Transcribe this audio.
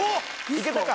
いけたか？